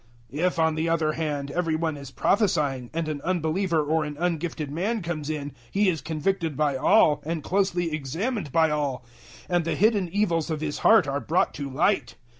014:024 If, on the other hand, every one is prophesying and an unbeliever or an ungifted man comes in, he is convicted by all and closely examined by all, 014:025 and the hidden evils of his heart are brought to light.